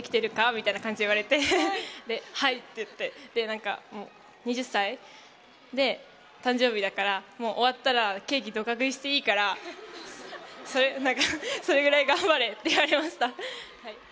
みたいな感じで言われて、はいって言って、２０歳で誕生日だから、もう終わったらケーキをどか食いしていいから、それくらい頑張れって言われました。